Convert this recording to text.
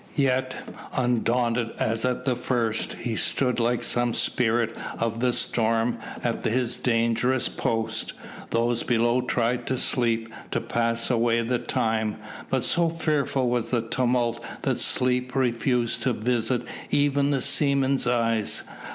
Yet, undaunted as at the first, he stood like some spirit of the storm at his dangerous post. Those below tried to sleep, to pass away the time, but so fearful was the tumult that sleep refused to visit even the seamen's eyes.